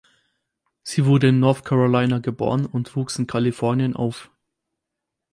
Sie wurde in North Carolina geboren und wuchs in Kalifornien auf.